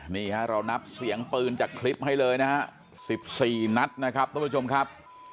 นี่ฮะเรานับเสียงปืนจากคลิปให้เลยนะฮะ๑๔นัดนะครับท่านผู้ชมครับ